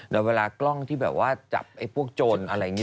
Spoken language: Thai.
แล้วเวลากล้องที่แบบว่าจับไอ้พวกโจรอะไรอย่างนี้